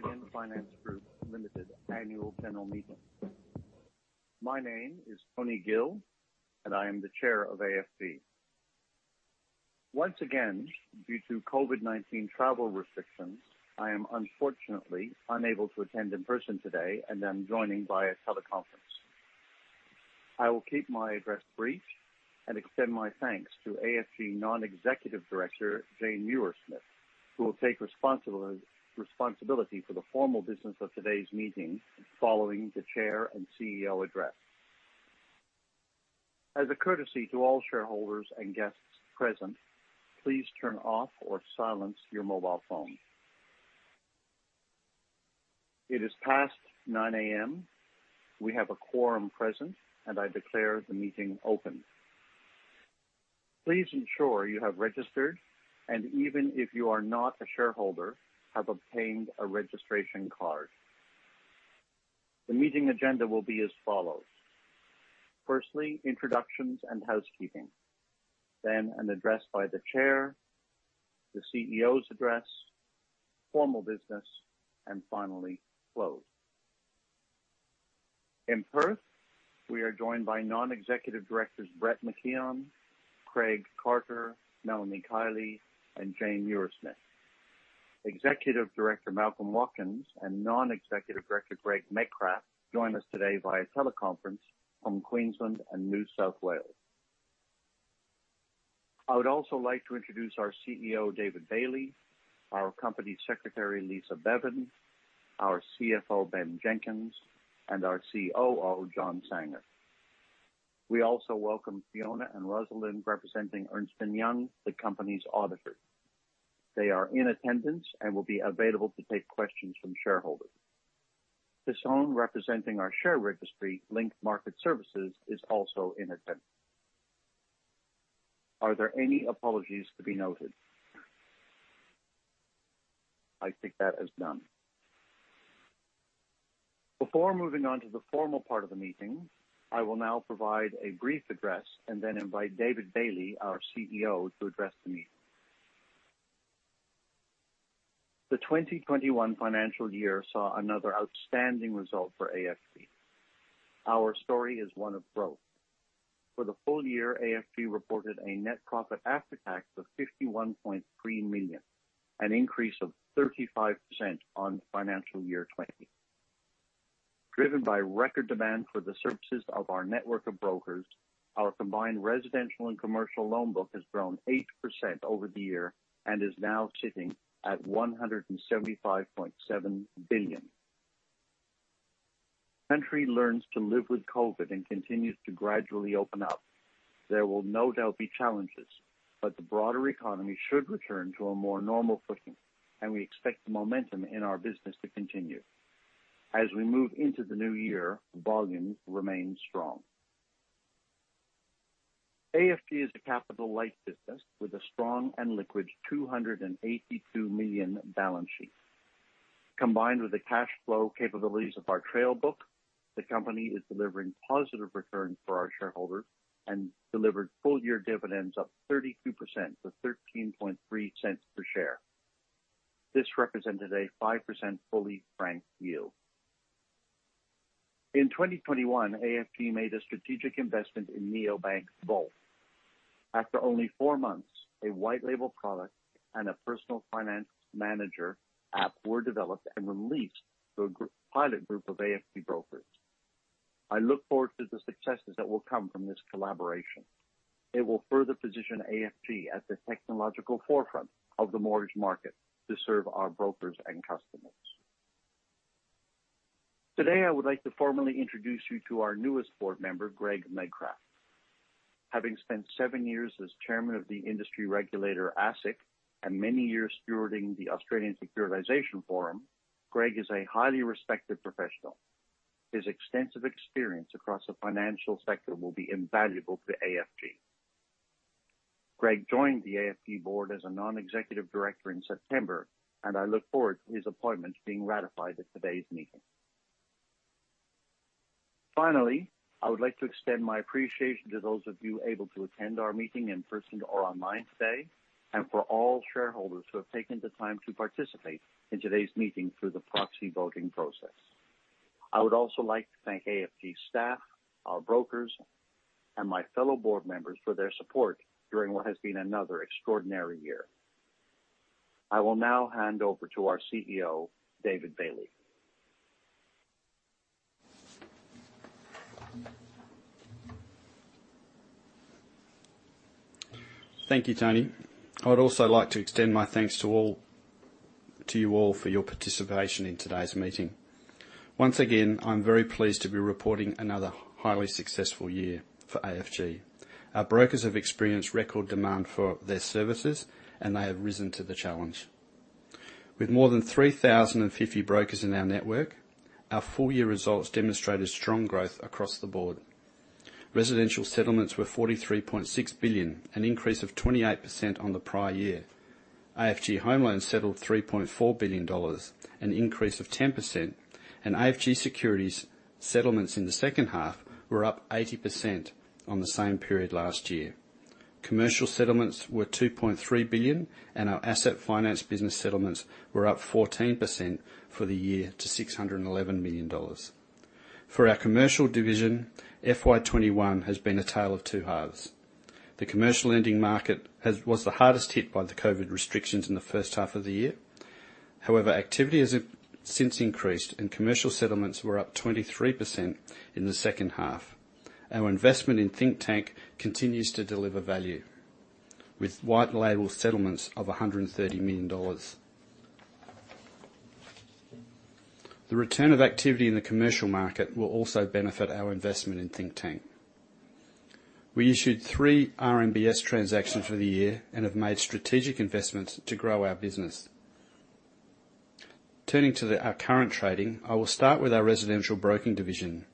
The Australian Finance Group Limited annual general meeting. My name is Tony Gill, and I am the Chair of AFG. Once again, due to COVID-19 travel restrictions, I am unfortunately unable to attend in person today and I'm joining via teleconference. I will keep my address brief and extend my thanks to AFG Non-Executive Director Jane Muirsmith, who will take responsibility for the formal business of today's meeting following the Chair and CEO address. As a courtesy to all shareholders and guests present, please turn off or silence your mobile phone. It is past 9 A.M. We have a quorum present, and I declare the meeting open. Please ensure you have registered, and even if you are not a shareholder, have obtained a registration card. The meeting agenda will be as follows. Firstly, introductions and housekeeping, then an address by the Chair, the CEO's address, formal business, and finally, close. In Perth, we are joined by Non-Executive Directors Brett McKeon, Craig Carter, Melanie Kiely, and Jane Muirsmith. Executive Director Malcolm Watkins and Non-Executive Director Greg Medcraft join us today via teleconference from Queensland and New South Wales. I would also like to introduce our CEO, David Bailey, our Company Secretary, Lisa Bevan, our CFO, Ben Jenkins, and our COO, John Sanger. We also welcome Fiona and Rosalind, representing Ernst & Young, the company's auditor. They are in attendance and will be available to take questions from shareholders. Tissot, representing our share registry, Link Market Services, is also in attendance. Are there any apologies to be noted? I think that is none. Before moving on to the formal part of the meeting, I will now provide a brief address and then invite David Bailey, our CEO, to address the meeting. The 2021 financial year saw another outstanding result for AFG. Our story is one of growth. For the full year, AFG reported a net profit after tax of 51.3 million, an increase of 35% on financial year 2020. Driven by record demand for the services of our network of brokers, our combined residential and commercial loan book has grown 8% over the year and is now sitting at 175.7 billion. Country learns to live with COVID and continues to gradually open up. There will no doubt be challenges, but the broader economy should return to a more normal footing, and we expect the momentum in our business to continue. As we move into the new year, volume remains strong. AFG is a capital light business with a strong and liquid 282 million balance sheet. Combined with the cash flow capabilities of our trail book, the company is delivering positive returns for our shareholders and delivered full-year dividends up 32% to 0.133 per share. This represented a 5% fully franked yield. In 2021, AFG made a strategic investment in Neobank Volt. After only 4 months, a white label product and a personal finance manager app were developed and released to a pilot group of AFG brokers. I look forward to the successes that will come from this collaboration. It will further position AFG at the technological forefront of the mortgage market to serve our brokers and customers. Today, I would like to formally introduce you to our newest board member, Greg Medcraft. Having spent 7 years as chairman of the industry regulator, ASIC, and many years stewarding the Australian Securitisation Forum, Greg is a highly respected professional. His extensive experience across the financial sector will be invaluable to AFG. Greg joined the AFG board as a Non-Executive Director in September, and I look forward to his appointment being ratified at today's meeting. Finally, I would like to extend my appreciation to those of you able to attend our meeting in person or online today, and for all shareholders who have taken the time to participate in today's meeting through the proxy voting process. I would also like to thank AFG staff, our brokers, and my fellow board members for their support during what has been another extraordinary year. I will now hand over to our CEO, David Bailey. Thank you, Tony. I would also like to extend my thanks to all, to you all for your participation in today's meeting. Once again, I'm very pleased to be reporting another highly successful year for AFG. Our brokers have experienced record demand for their services, and they have risen to the challenge. With more than 3,050 brokers in our network, our full-year results demonstrated strong growth across the board. Residential settlements were 43.6 billion, an increase of 28% on the prior year. AFG Home Loans settled 3.4 billion dollars, an increase of 10%, and AFG Securities settlements in the second half were up 80% on the same period last year. Commercial settlements were AUD 2.3 billion, and our asset finance business settlements were up 14% for the year to AUD 611 million. For our commercial division, FY 2021 has been a tale of two halves. The commercial lending market was the hardest hit by the COVID restrictions in the first half of the year. However, activity has since increased and commercial settlements were up 23% in the second half. Our investment in Thinktank continues to deliver value with white label settlements of AUD 130 million. The return of activity in the commercial market will also benefit our investment in Thinktank. We issued three RMBS transactions for the year and have made strategic investments to grow our business. Turning to our current trading, I will start with our residential broking division.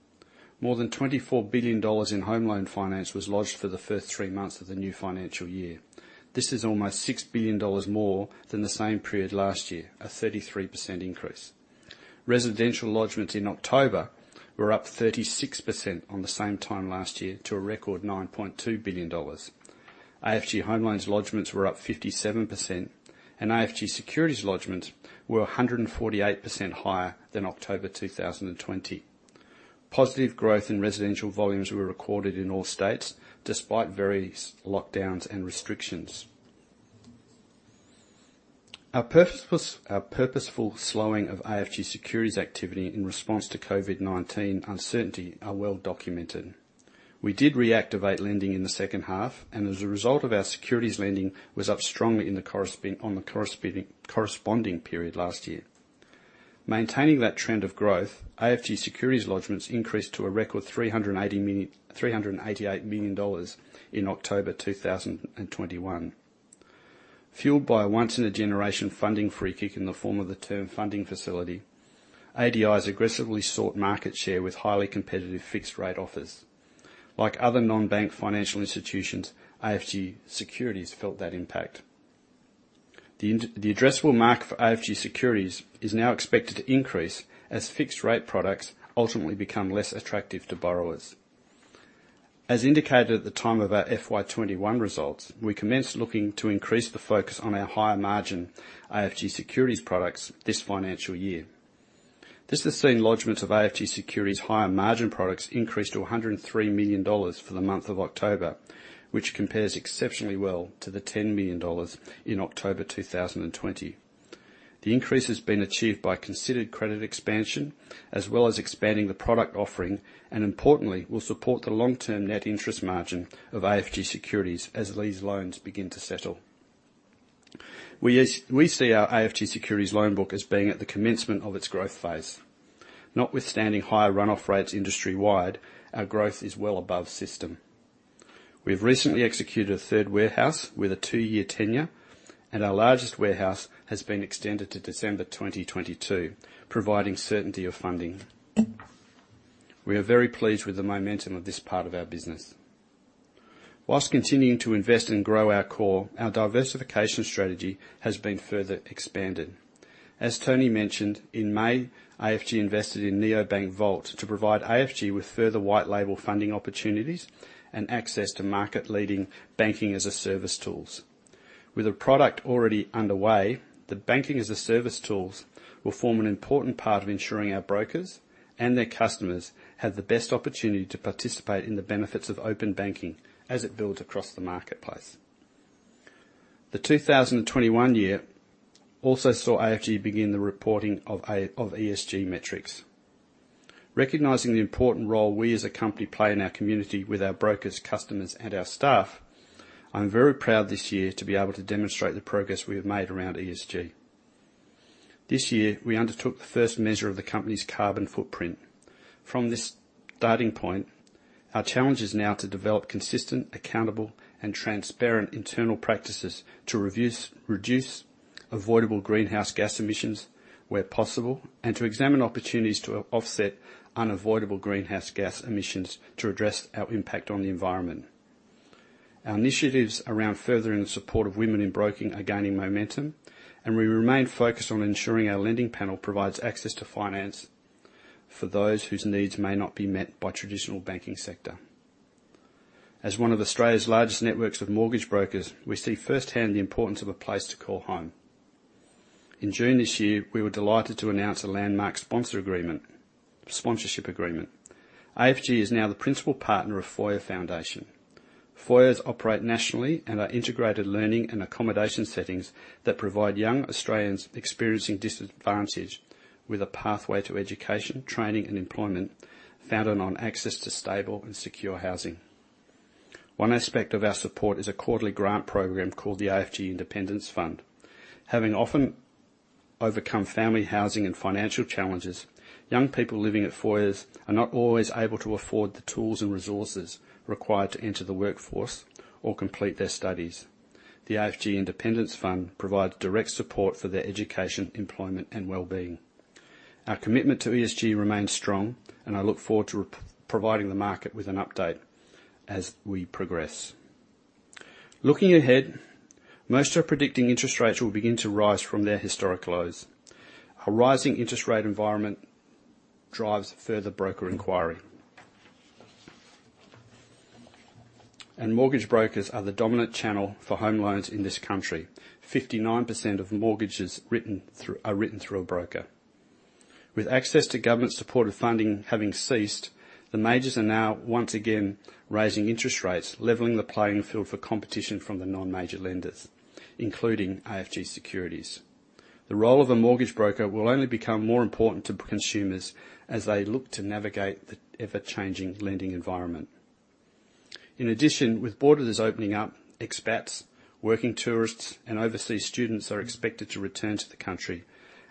More than 24 billion dollars in home loan finance was lodged for the first three months of the new financial year. This is almost 6 billion dollars more than the same period last year, a 33% increase. Residential lodgements in October were up 36% on the same time last year to a record 9.2 billion dollars. AFG Home Loans lodgements were up 57%, and AFG Securities lodgements were 148% higher than October 2020. Positive growth in residential volumes were recorded in all states despite various lockdowns and restrictions. Our purposeful slowing of AFG Securities activity in response to COVID-19 uncertainty are well documented. We did reactivate lending in the second half, and as a result of our securities lending was up strongly in the corresponding period last year. Maintaining that trend of growth, AFG Securities lodgements increased to a record AUD 388 million in October 2021. Fueled by a once in a generation funding free kick in the form of the Term Funding Facility, ADIs aggressively sought market share with highly competitive fixed rate offers. Like other non-bank financial institutions, AFG Securities felt that impact. The addressable market for AFG Securities is now expected to increase as fixed rate products ultimately become less attractive to borrowers. As indicated at the time of our FY 2021 results, we commenced looking to increase the focus on our higher margin AFG Securities products this financial year. This has seen lodgments of AFG Securities higher margin products increase to AUD 103 million for the month of October, which compares exceptionally well to the AUD 10 million in October 2020. The increase has been achieved by considered credit expansion as well as expanding the product offering, and importantly, will support the long-term net interest margin of AFG Securities as these loans begin to settle. We see our AFG Securities loan book as being at the commencement of its growth phase. Notwithstanding higher runoff rates industry-wide, our growth is well above system. We've recently executed a third warehouse with a 2-year tenure, and our largest warehouse has been extended to December 2022, providing certainty of funding. We are very pleased with the momentum of this part of our business. While continuing to invest and grow our core, our diversification strategy has been further expanded. As Tony mentioned, in May, AFG invested in Neobank Volt to provide AFG with further white label funding opportunities and access to market leading banking-as-a-service tools. With a product already underway, the banking-as-a-service tools will form an important part of ensuring our brokers and their customers have the best opportunity to participate in the benefits of open banking as it builds across the marketplace. The 2021 year also saw AFG begin the reporting of ESG metrics. Recognizing the important role we as a company play in our community with our brokers, customers, and our staff, I'm very proud this year to be able to demonstrate the progress we have made around ESG. This year, we undertook the first measure of the company's carbon footprint. From this starting point, our challenge is now to develop consistent, accountable, and transparent internal practices to reduce avoidable greenhouse gas emissions where possible, and to examine opportunities to offset unavoidable greenhouse gas emissions to address our impact on the environment. Our initiatives around furthering the support of women in broking are gaining momentum, and we remain focused on ensuring our lending panel provides access to finance for those whose needs may not be met by traditional banking sector. As one of Australia's largest networks of mortgage brokers, we see firsthand the importance of a place to call home. In June this year, we were delighted to announce a landmark sponsorship agreement. AFG is now the principal partner of Foyer Foundation. Foyers operate nationally and are integrated learning and accommodation settings that provide young Australians experiencing disadvantage with a pathway to education, training, and employment founded on access to stable and secure housing. One aspect of our support is a quarterly grant program called the AFG Independence Fund. Having often overcome family, housing, and financial challenges, young people living at Foyers are not always able to afford the tools and resources required to enter the workforce or complete their studies. The AFG Independence Fund provides direct support for their education, employment, and wellbeing. Our commitment to ESG remains strong, and I look forward to providing the market with an update as we progress. Looking ahead, most are predicting interest rates will begin to rise from their historic lows. A rising interest rate environment drives further broker inquiry. Mortgage brokers are the dominant channel for home loans in this country. 59% of mortgages written through, are written through a broker. With access to government-supported funding having ceased, the majors are now once again raising interest rates, leveling the playing field for competition from the non-major lenders, including AFG Securities. The role of a mortgage broker will only become more important to consumers as they look to navigate the ever-changing lending environment. In addition, with borders opening up, expats, working tourists, and overseas students are expected to return to the country,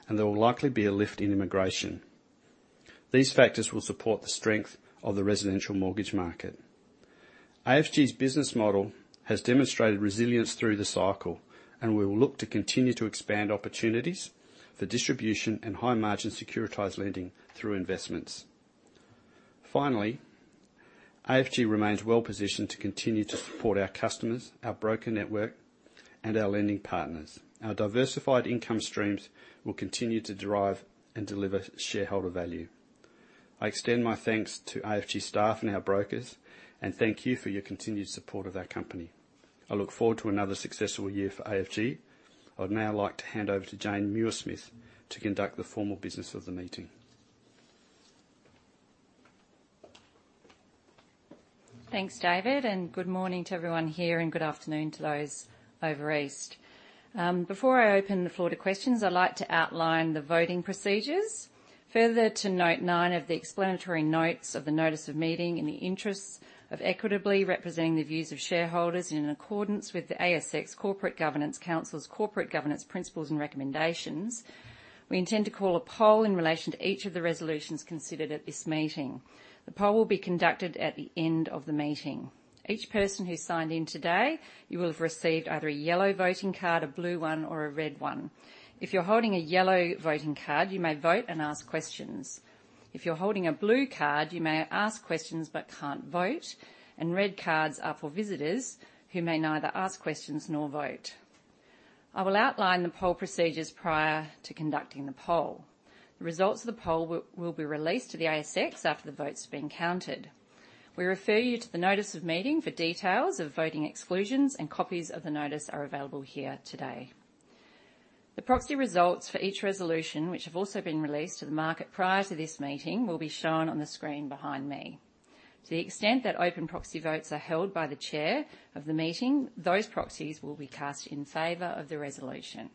and there will likely be a lift in immigration. These factors will support the strength of the residential mortgage market. AFG's business model has demonstrated resilience through the cycle, and we will look to continue to expand opportunities for distribution and high-margin securitized lending through investments. Finally, AFG remains well-positioned to continue to support our customers, our broker network, and our lending partners. Our diversified income streams will continue to drive and deliver shareholder value. I extend my thanks to AFG staff and our brokers, and thank you for your continued support of our company. I look forward to another successful year for AFG. I'd now like to hand over to Jane Muirsmith to conduct the formal business of the meeting. Thanks, David, and good morning to everyone here, and good afternoon to those over east. Before I open the floor to questions, I'd like to outline the voting procedures. Further to note nine of the explanatory notes of the notice of meeting, in the interests of equitably representing the views of shareholders and in accordance with the ASX Corporate Governance Council's corporate governance principles and recommendations, we intend to call a poll in relation to each of the resolutions considered at this meeting. The poll will be conducted at the end of the meeting. Each person who's signed in today, you will have received either a yellow voting card, a blue one, or a red one. If you're holding a yellow voting card, you may vote and ask questions. If you're holding a blue card, you may ask questions but can't vote, and red cards are for visitors who may neither ask questions nor vote. I will outline the poll procedures prior to conducting the poll. The results of the poll will be released to the ASX after the votes have been counted. We refer you to the notice of meeting for details of voting exclusions and copies of the notice are available here today. The proxy results for each resolution, which have also been released to the market prior to this meeting, will be shown on the screen behind me. To the extent that open proxy votes are held by the chair of the meeting, those proxies will be cast in favor of the resolution.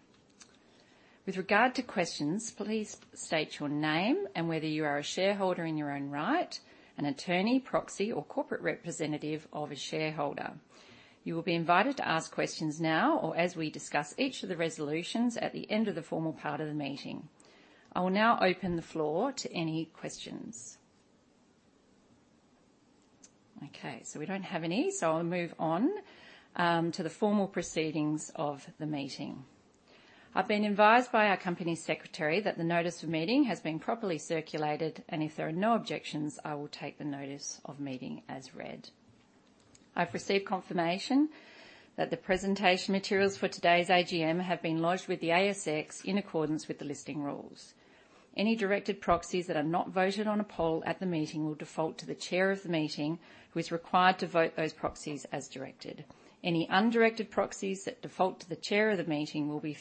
With regard to questions, please state your name and whether you are a shareholder in your own right, an attorney, proxy, or corporate representative of a shareholder. You will be invited to ask questions now or as we discuss each of the resolutions at the end of the formal part of the meeting. I will now open the floor to any questions. Okay, so we don't have any, so I'll move on to the formal proceedings of the meeting. I've been advised by our company secretary that the notice of meeting has been properly circulated and if there are no objections, I will take the notice of meeting as read. I've received confirmation that the presentation materials for today's AGM have been lodged with the ASX in accordance with the listing rules. Any directed proxies that are not voted on a poll at the meeting will default to the chair of the meeting, who is required to vote those proxies as directed. Any undirected proxies that default to the chair of the meeting will be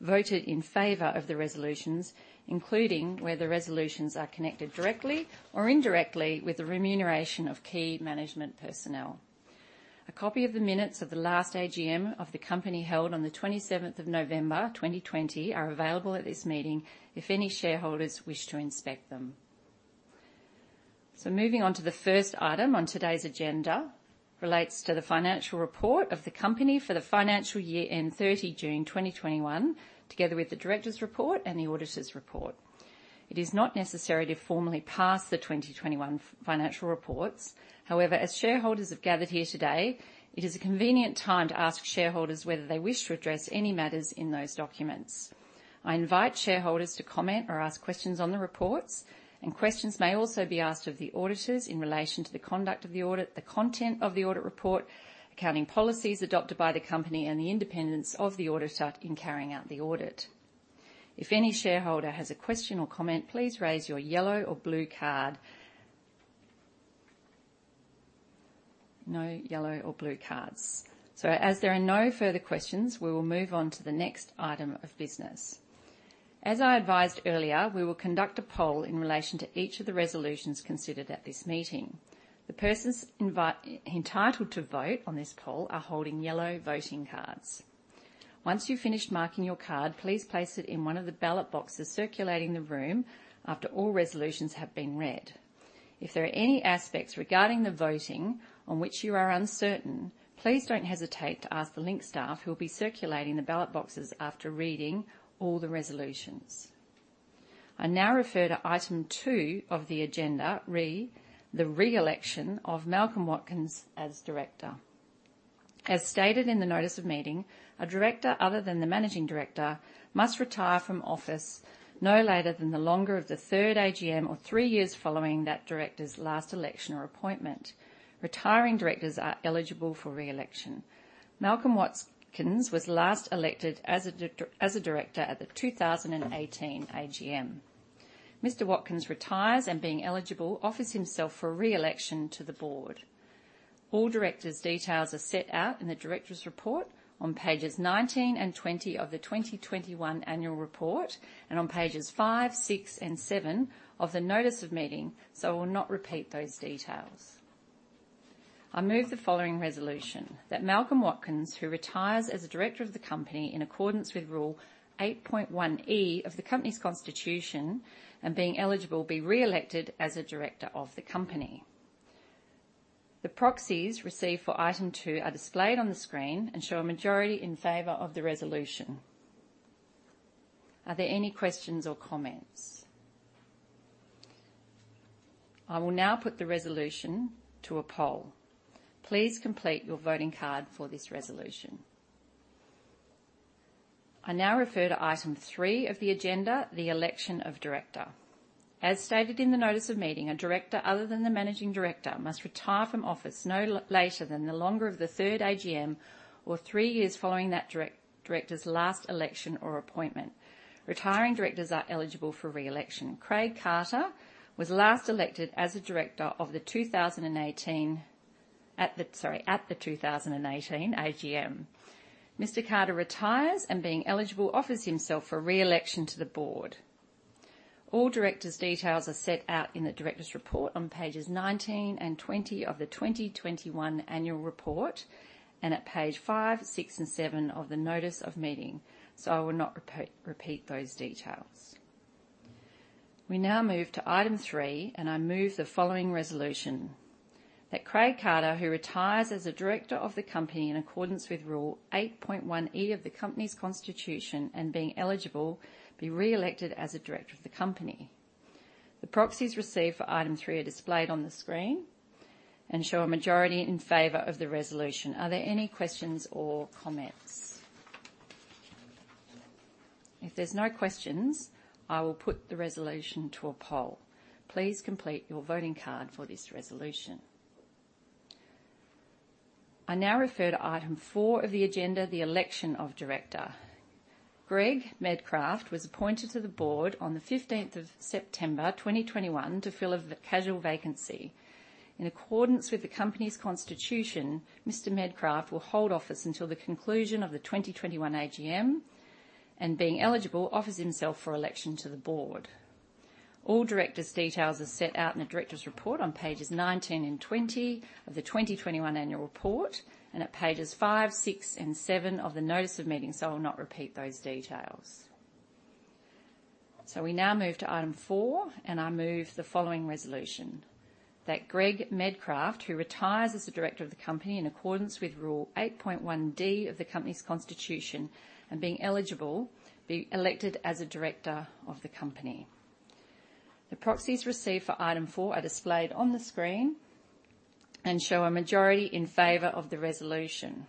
voted in favor of the resolutions, including where the resolutions are connected directly or indirectly with the remuneration of key management personnel. A copy of the minutes of the last AGM of the company held on the 27th of November 2020 are available at this meeting if any shareholders wish to inspect them. Moving on to the first item on today's agenda relates to the financial report of the company for the financial year ended 30 June 2021, together with the director's report and the auditor's report. It is not necessary to formally pass the 2021 financial reports. However, as shareholders have gathered here today, it is a convenient time to ask shareholders whether they wish to address any matters in those documents. I invite shareholders to comment or ask questions on the reports, and questions may also be asked of the auditors in relation to the conduct of the audit, the content of the audit report, accounting policies adopted by the company, and the independence of the auditor in carrying out the audit. If any shareholder has a question or comment, please raise your yellow or blue card. No yellow or blue cards. As there are no further questions, we will move on to the next item of business. As I advised earlier, we will conduct a poll in relation to each of the resolutions considered at this meeting. Entitled to vote on this poll are holding yellow voting cards. Once you've finished marking your card, please place it in one of the ballot boxes circulating the room after all resolutions have been read. If there are any aspects regarding the voting on which you are uncertain, please don't hesitate to ask the Link staff who will be circulating the ballot boxes after reading all the resolutions. I now refer to item two of the agenda, re the reelection of Malcolm Watkins as director. As stated in the notice of meeting, a director, other than the managing director, must retire from office no later than the longer of the third AGM or three years following that director's last election or appointment. Retiring directors are eligible for reelection. Malcolm Watkins was last elected as a director at the 2018 AGM. Mr. Watkins retires, and being eligible, offers himself for reelection to the board. All directors' details are set out in the directors' report on pages 19 and 20 of the 2021 annual report and on pages 5, 6 and 7 of the notice of meeting, so I will not repeat those details. I move the following resolution, that Malcolm Watkins, who retires as a director of the company in accordance with rule 8.1 E of the company's constitution and being eligible, be re-elected as a director of the company. The proxies received for item 2 are displayed on the screen and show a majority in favor of the resolution. Are there any questions or comments? I will now put the resolution to a poll. Please complete your voting card for this resolution. I now refer to item 3 of the agenda, the election of director. As stated in the notice of meeting, a director other than the managing director must retire from office no later than the longer of the third AGM or three years following that director's last election or appointment. Retiring directors are eligible for re-election. Craig Carter was last elected as a director at the 2018 AGM. Mr. Carter retires and being eligible, offers himself for re-election to the board. All directors' details are set out in the directors' report on pages 19 and 20 of the 2021 annual report and at page 5, 6 and 7 of the notice of meeting, so I will not repeat those details. We now move to item 3, and I move the following resolution, that Craig Carter, who retires as a director of the company in accordance with rule 8.1 E of the company's constitution and being eligible, be re-elected as a director of the company. The proxies received for item 3 are displayed on the screen and show a majority in favor of the resolution. Are there any questions or comments? If there's no questions, I will put the resolution to a poll. Please complete your voting card for this resolution. I now refer to item 4 of the agenda, the election of director. Greg Medcraft was appointed to the board on the 15th of September 2021 to fill a casual vacancy. In accordance with the company's constitution, Mr. Medcraft will hold office until the conclusion of the 2021 AGM and being eligible, offers himself for election to the board. All directors' details are set out in the directors' report on pages 19 and 20 of the 2021 annual report and at pages 5, 6 and 7 of the notice of meeting, so I will not repeat those details. We now move to item 4, and I move the following resolution, that Greg Medcraft, who retires as a director of the company in accordance with rule 8.1D of the company's constitution and being eligible, be elected as a director of the company. The proxies received for item 4 are displayed on the screen and show a majority in favor of the resolution.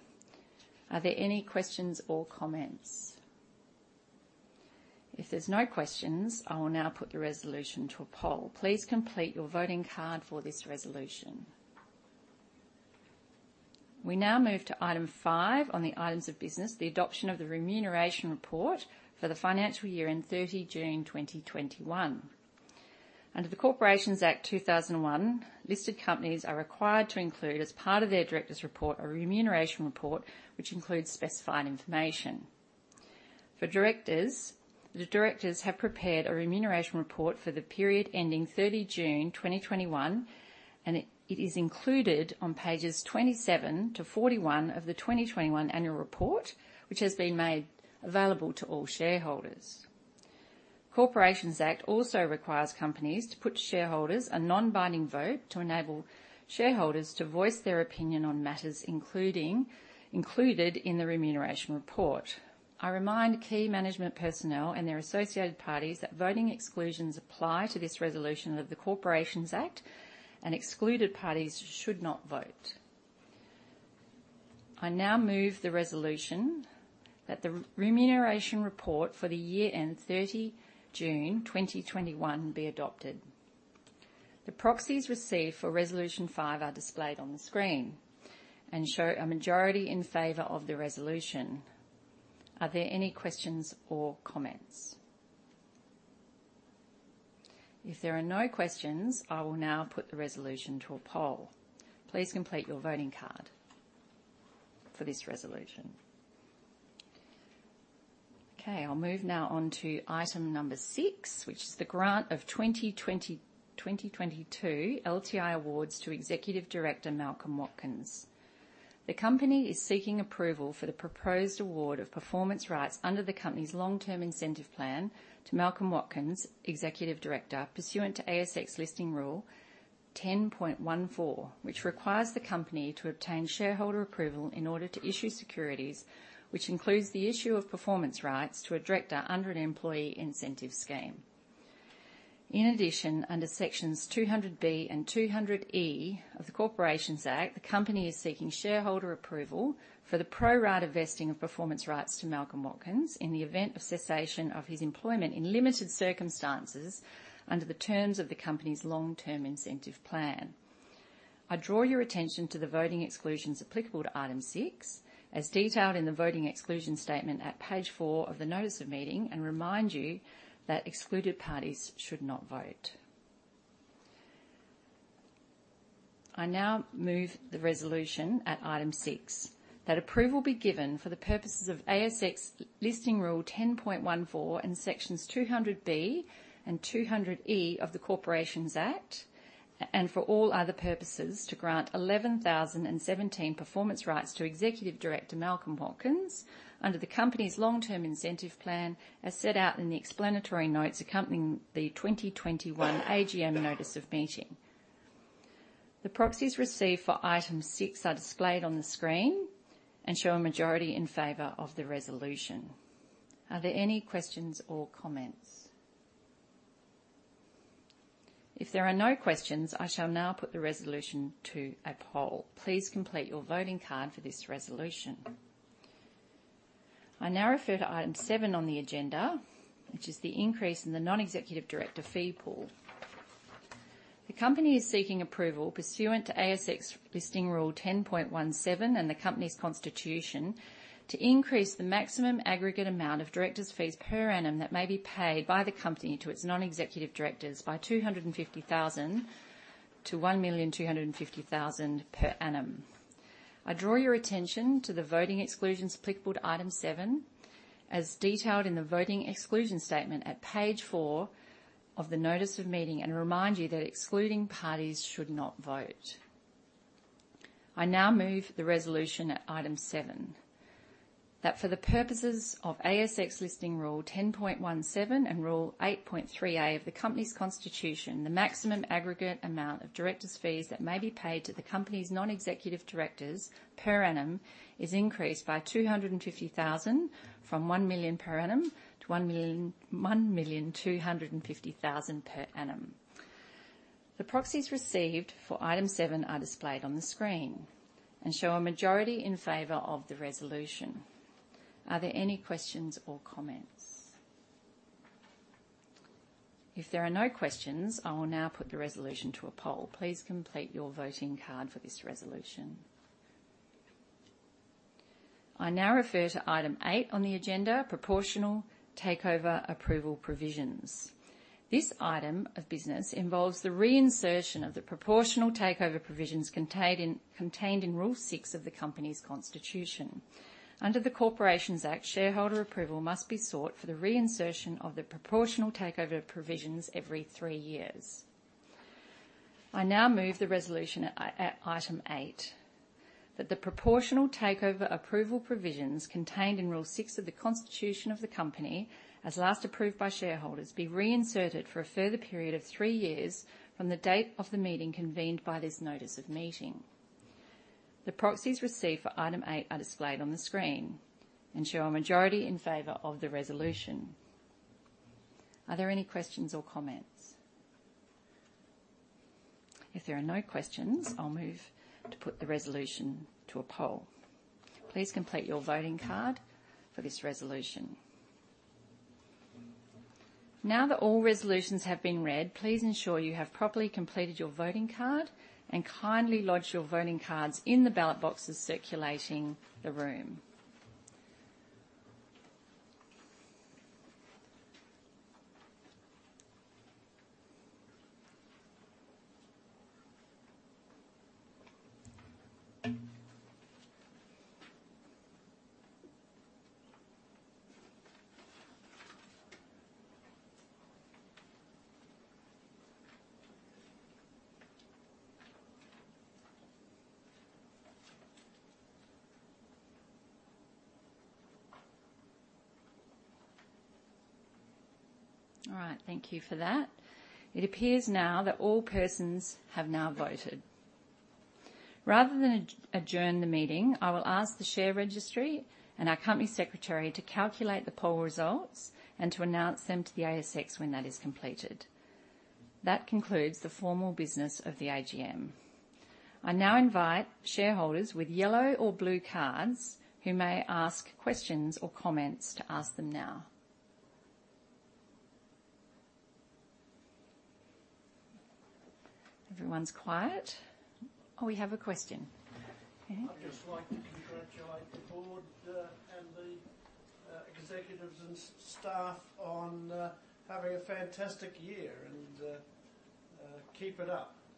Are there any questions or comments? If there's no questions, I will now put the resolution to a poll. Please complete your voting card for this resolution. We now move to item five on the items of business, the adoption of the remuneration report for the financial year end 30 June 2021. Under the Corporations Act 2001, listed companies are required to include, as part of their directors' report, a remuneration report which includes specified information. The directors have prepared a remuneration report for the period ending 30 June 2021, and it is included on pages 27 to 41 of the 2021 annual report, which has been made available to all shareholders. Corporations Act also requires companies to put to shareholders a non-binding vote to enable shareholders to voice their opinion on matters included in the remuneration report. I remind key management personnel and their associated parties that voting exclusions apply to this resolution of the Corporations Act and excluded parties should not vote. I now move the resolution that the remuneration report for the year end 30 June 2021 be adopted. The proxies received for resolution 5 are displayed on the screen and show a majority in favor of the resolution. Are there any questions or comments? If there are no questions, I will now put the resolution to a poll. Please complete your voting card for this resolution. Okay, I'll move now on to item number 6, which is the grant of 2020-2022 LTI awards to Executive Director Malcolm Watkins. The company is seeking approval for the proposed award of performance rights under the company's long-term incentive plan to Malcolm Watkins, Executive Director, pursuant to ASX Listing Rule 10.14, which requires the company to obtain shareholder approval in order to issue securities, which includes the issue of performance rights to a director under an employee incentive scheme. In addition, under sections 200B and 200E of the Corporations Act, the company is seeking shareholder approval for the pro rata vesting of performance rights to Malcolm Watkins in the event of cessation of his employment in limited circumstances under the terms of the company's long-term incentive plan. I draw your attention to the voting exclusions applicable to item 6, as detailed in the voting exclusion statement at page 4 of the notice of meeting, and remind you that excluded parties should not vote. I now move the resolution at item 6, that approval be given for the purposes of ASX Listing Rule 10.14 and Sections 200B and 200E of the Corporations Act and for all other purposes, to grant 11,017 performance rights to Executive Director Malcolm Watkins under the company's long-term incentive plan, as set out in the explanatory notes accompanying the 2021 AGM notice of meeting. The proxies received for item 6 are displayed on the screen and show a majority in favor of the resolution. Are there any questions or comments? If there are no questions, I shall now put the resolution to a poll. Please complete your voting card for this resolution. I now refer to item 7 on the agenda, which is the increase in the non-executive director fee pool. The company is seeking approval pursuant to ASX Listing Rule 10.17 and the company's constitution to increase the maximum aggregate amount of directors' fees per annum that may be paid by the company to its non-executive directors by 250,000 to 1,250,000 per annum. I draw your attention to the voting exclusions applicable to item 7 as detailed in the voting exclusion statement at page 4 of the notice of meeting, and remind you that excluding parties should not vote. I now move the resolution at item 7. That for the purposes of ASX Listing Rule 10.17 and Rule 8.3A of the company's constitution, the maximum aggregate amount of directors' fees that may be paid to the company's non-executive directors per annum is increased by 250,000 from 1 million per annum to 1.25 million per annum. The proxies received for item seven are displayed on the screen and show a majority in favor of the resolution. Are there any questions or comments? If there are no questions, I will now put the resolution to a poll. Please complete your voting card for this resolution. I now refer to item eight on the agenda, proportional takeover approval provisions. This item of business involves the reinsertion of the proportional takeover provisions contained in Rule 6 of the company's constitution. Under the Corporations Act, shareholder approval must be sought for the reinsertion of the proportional takeover provisions every 3 years. I now move the resolution at item 8, that the proportional takeover approval provisions contained in Rule 6 of the constitution of the company, as last approved by shareholders, be reinserted for a further period of 3 years from the date of the meeting convened by this notice of meeting. The proxies received for item 8 are displayed on the screen and show a majority in favor of the resolution. Are there any questions or comments? If there are no questions, I'll move to put the resolution to a poll. Please complete your voting card for this resolution. Now that all resolutions have been read, please ensure you have properly completed your voting card and kindly lodge your voting cards in the ballot boxes circulating the room. All right, thank you for that. It appears now that all persons have now voted. Rather than adjourn the meeting, I will ask the share registry and our company secretary to calculate the poll results and to announce them to the ASX when that is completed. That concludes the formal business of the AGM. I now invite shareholders with yellow or blue cards who may ask questions or comments to ask them now. Everyone's quiet. Oh, we have a question. Okay. I'd just like to congratulate the board and the executives and staff on having a fantastic year and keep it up.